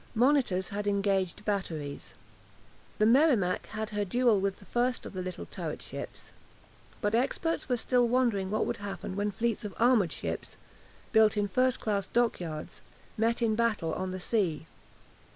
"Monitors" had engaged batteries. The "Merrimac" had had her duel with the first of the little turret ships. But experts were still wondering what would happen when fleets of armoured ships, built in first class dockyards, met in battle on the sea.